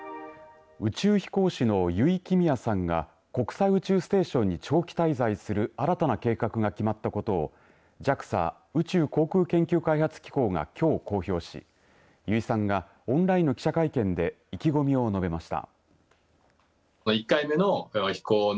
宇宙飛行士の油井亀美也さんが国際宇宙ステーションに長期滞在する新たな計画が決まったことをＪＡＸＡ宇宙航空研究開発機構がきょう公表し油井さんがオンラインの記者会見で意気込みを述べました。